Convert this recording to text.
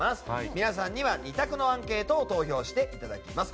皆さんには二択のアンケートに投票していただきます。